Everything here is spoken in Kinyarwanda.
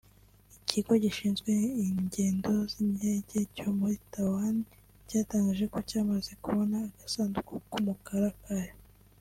Ikigo gishinzwe ingendo z’indege cyo muri Taiwan cyatangaje ko cyamaze kubona agasanduku k’umukara kayo